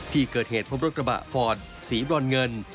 ที่เกิดเหตุพบรถกระบะฟอร์ดสีบรอนเงิน